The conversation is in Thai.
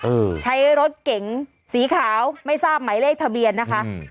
เออใช้รถเก๋งสีขาวไม่ทราบหมายเลขทะเบียนนะคะอืม